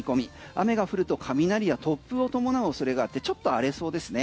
雨が降ると雷や突風を伴うおそれがちょっと荒れそうですね。